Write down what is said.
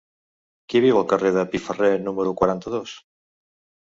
Qui viu al carrer de Piferrer número quaranta-dos?